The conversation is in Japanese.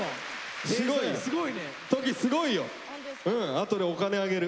あとでお金あげる。